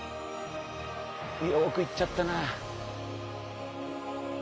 おく行っちゃったなあ。